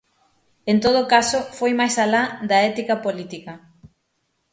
En todo caso foi máis alá da ética política.